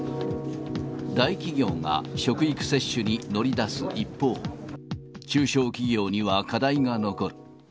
大企業が職域接種に乗り出す一方、中小企業には課題が残る。